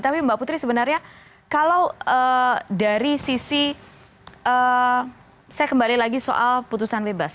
tapi mbak putri sebenarnya kalau dari sisi saya kembali lagi soal putusan bebas